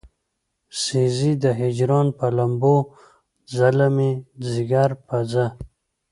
سيزې د هجران پۀ لمبو څله مې ځيګر پۀ څۀ